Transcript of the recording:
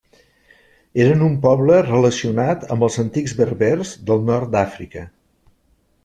Eren un poble relacionat amb els antics berbers del nord d'Àfrica.